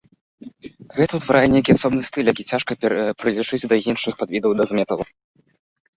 Гэта ўтварае нейкі асобны стыль, які цяжка прылічыць да іншых падвідаў дэз-металу.